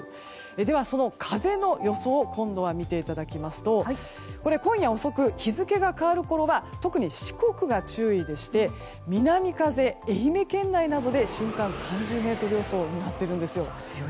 では、風の予想を今度は見ていただきますと今夜遅く、日付が変わるころは特に四国が注意でして南風が愛媛県内などで瞬間３０メートル予想になっているんです。